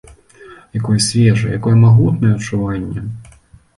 Якое свежае, якое магутнае адчуванне!